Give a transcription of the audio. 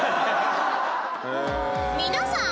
［皆さん。